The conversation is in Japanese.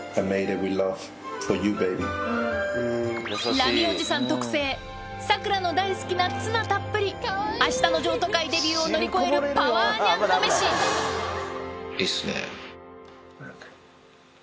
ラミおじさん特製サクラの大好きなツナたっぷりあしたの譲渡会デビューを乗り越えるパワーにゃんこメシいいっすね。